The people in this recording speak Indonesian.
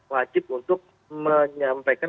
wajib untuk menyampaikan